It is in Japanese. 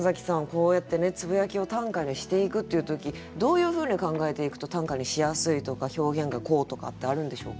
こうやってねつぶやきを短歌にしていくっていう時どういうふうに考えていくと短歌にしやすいとか表現がこうとかってあるんでしょうか？